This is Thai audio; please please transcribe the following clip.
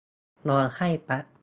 ร้องไห้แปบ